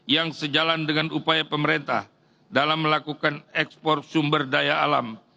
yang sejalan dengan upaya pemerintah dalam melakukan ekspor sumber daya alam